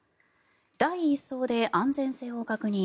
第１相で安全性を確認。